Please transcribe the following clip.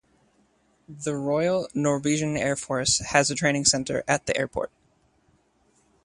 The Royal Norwegian Air Force has a training center at the airport.